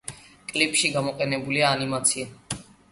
კლიპში გამოყენებულია ანიმაცია.